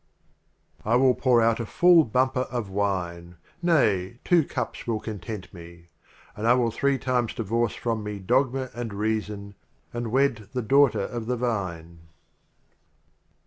LV. I will pour out a full Bumper of Wine — Nay, two Cups will content me; And I will three times Divorce from me Dogma and Reason, And wed the Daughter of the Vine.